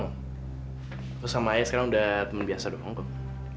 aku sama ayah sekarang udah temen biasa dong kok